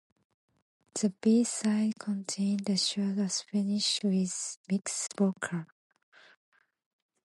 The B-side contained a shorter Spanish Mix vocal.